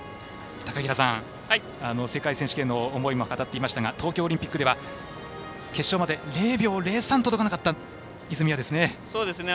高平さん、世界選手権の思いも語っていましたが東京オリンピックでは決勝まで、０秒０３届かなかった泉谷ですね。